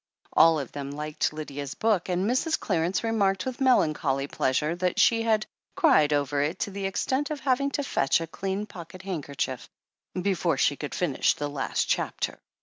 All of them liked Lydia's book, and Mrs. Clarence remarked with melancholy pleasure that she had cried over it to the extent of having to fetch a clean pocket handkerchief before she could finish the last chapter.